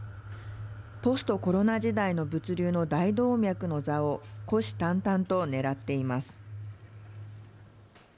ポストコロナ時代の物流の大動脈の座を虎視たんたんと狙っています。